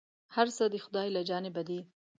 هر څه د خداى له جانبه دي ،